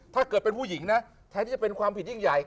ถ้าเกิดเป็นผู้หญิงนะแทนที่จะเป็นความผิดยิ่งใหญ่